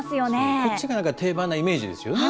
こっちが定番なイメージですよね。